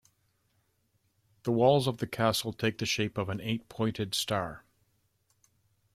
The walls of the castle take the shape of an eight-pointed star.